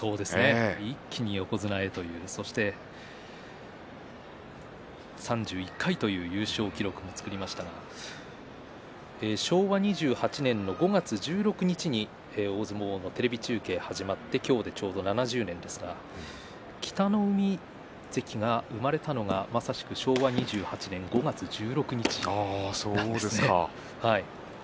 一気に横綱へ３１回という優勝記録も作りましたが昭和２８年の５月１６日に大相撲のテレビ中継が始まって今日で、ちょうど７０年ですが北の湖関が生まれたのがまさに昭和２８年５月１６日そうなんですか。